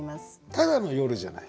ただの夜じゃない。